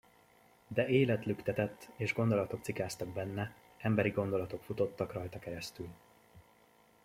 De élet lüktetett, és gondolatok cikáztak benne: emberi gondolatok futottak rajta keresztül.